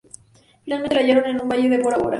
Finalmente la hallaron en un valle de Bora Bora.